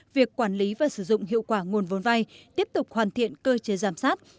việc quản lý và sử dụng hiệu quả nguồn vốn vai tiếp tục hoàn thiện cơ chế giám sát